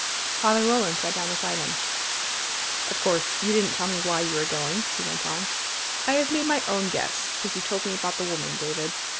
Father Roland sat down beside him. "Of course you didn't tell me why you were going," he went on. "I have made my own guess since you told me about the woman, David.